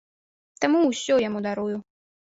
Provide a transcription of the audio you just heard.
Таму ўсё яму дарую.